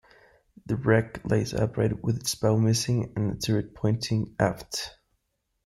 The wreck lies upright with its bow missing and A turret pointing aft.